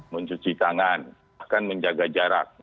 mencuci tangan bahkan menjaga jarak